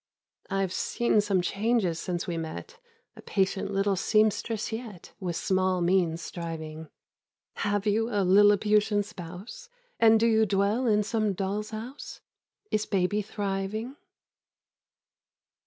I've seen some changes since we met; A patient little seamstress yet, With small means striving, Have you a Lilliputian spouse? And do you dwell in some doll's house? —Is baby thriving?